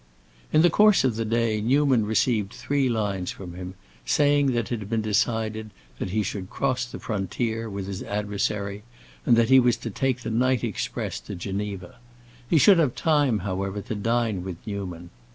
In the course of the day Newman received three lines from him, saying that it had been decided that he should cross the frontier, with his adversary, and that he was to take the night express to Geneva. He should have time, however, to dine with Newman.